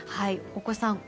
大越さん